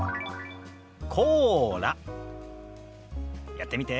やってみて。